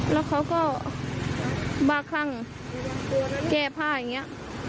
แล้วเขาก็บ้าคลั่งแก้ผ้าอย่างนี้